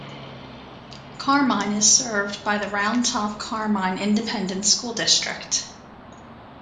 Carmine is served by the Round Top-Carmine Independent School District.